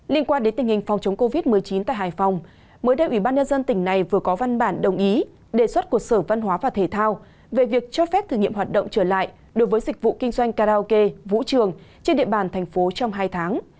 liên quan đến tình hình phòng chống covid một mươi chín tại hải phòng mới đây ủy ban nhân dân tỉnh này vừa có văn bản đồng ý đề xuất của sở văn hóa và thể thao về việc cho phép thử nghiệm hoạt động trở lại đối với dịch vụ kinh doanh karaoke vũ trường trên địa bàn thành phố trong hai tháng